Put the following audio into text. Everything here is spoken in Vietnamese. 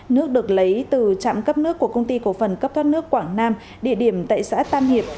nước được lấy từ trạm cấp nước của công ty cổ phần cấp thoát nước quảng nam địa điểm tại xã tam hiệp